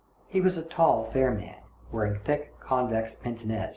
He was a tall, fair man, wearing thick convex pince nez.